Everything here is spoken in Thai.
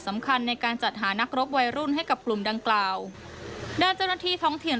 สำคัญในการจัดหานักรบวัยรุ่นให้กับกลุ่มดังกล่าวด้านเจ้าหน้าที่ท้องถิ่น